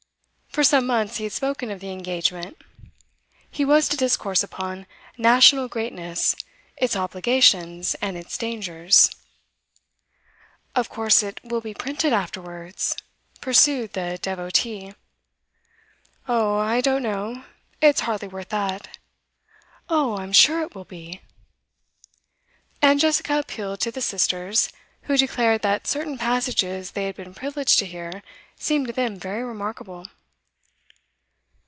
For some months he had spoken of the engagement. He was to discourse upon 'National Greatness: its Obligations and its Dangers.' 'Of course it will be printed afterwards?' pursued the devotee. 'Oh, I don't know. It's hardly worth that.' 'Oh, I'm sure it will be!' And Jessica appealed to the sisters, who declared that certain passages they had been privileged to hear seemed to them very remarkable.